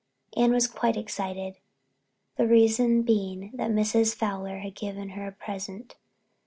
Anne was quite excited, the reason being that Mrs. Fowler had given her a present.